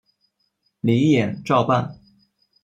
李俨照办。